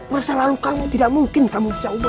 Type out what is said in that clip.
masa lalu kamu tidak mungkin kamu bisa unggul